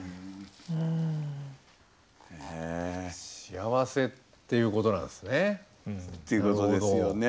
幸せっていうことなんですね。っていうことですよね。